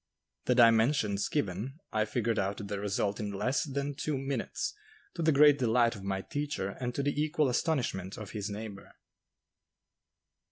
The dimensions given, I figured out the result in less than two minutes, to the great delight of my teacher and to the equal astonishment of his neighbor.